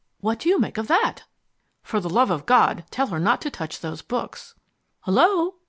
What do you make of that?" "For the love of God, tell her not to touch those books." "Hullo?"